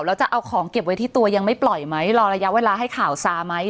แล้วจะเอาของเก็บไว้ที่ตัวยังไม่ปล่อยไหมรอระยะเวลาให้ข่าวซาไหม